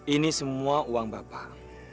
ini semua uang bapak